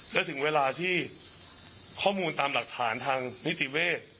และถึงเวลาที่ข้อมูลตามหลักฐานทางนิติเวศ